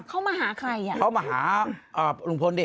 เขามาหาใครอ่ะเขามาหาลุงพลดิ